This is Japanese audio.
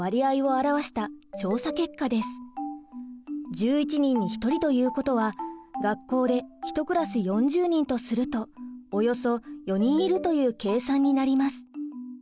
１１人に１人ということは学校で１クラス４０人とするとおよそ４人いるという計算になります。